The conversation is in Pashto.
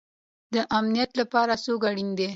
د امنیت لپاره څوک اړین دی؟